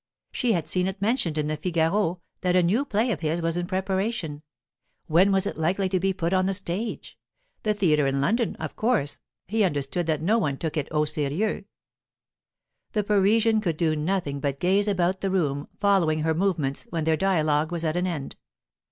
She had seen it mentioned in the Figaro that a new play of his was in preparation; when was it likely to be put on the stage? The theatre in London of course, he understood that no one took it au serieux? The Parisian could do nothing but gaze about the room, following her movements, when their dialogue was at an end.